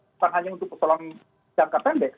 bukan hanya untuk persoalan jangka pendek